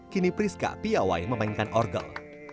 kini priska piawai memainkan orgel